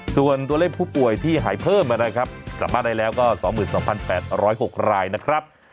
ส่วนตัวเลขผู้ป่วยที่หายเพิ่มนะครับกลับบ้านได้แล้วก็๒๒๘๐๖รายนะครับ